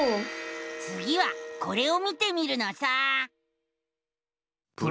つぎはこれを見てみるのさ！